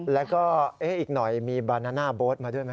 แล้วก็อีกหน่อยมีบานาน่าโบ๊ทมาด้วยไหม